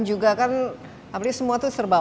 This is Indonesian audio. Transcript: juga kan apalagi semua tuh serba